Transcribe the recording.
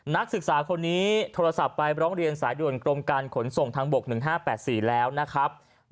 นักศึกษาคนนี้โทรศัพท์ไปร้องเรียนสายด่วนกรมการขนส่งทางบก๑๕๘๔แล้วนะครับ